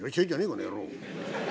この野郎。